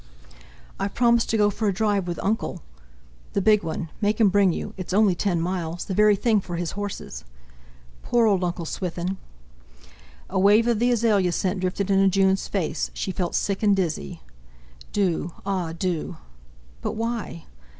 "I've promised to go for a drive with Uncle...." "The big one! Make him bring you; it's only ten miles—the very thing for his horses." "Poor old Uncle Swithin!" A wave of the azalea scent drifted into Jun's face; she felt sick and dizzy. "Do! ah! do!" "But why?"